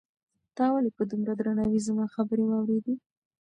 تا ولې په دومره درناوي زما خبرې واورېدې؟